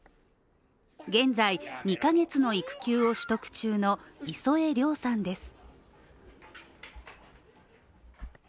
現在、２カ月の育休を取得中の磯江怜さんです。